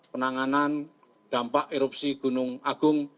penanganan dampak erupsi gunung agung